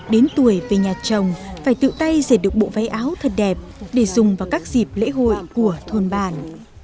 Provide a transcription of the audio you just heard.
đến tuổi về nhà chồng phải tự tay dệt được bộ váy áo thật đẹp để dùng vào các dịp lễ hội của thôn bản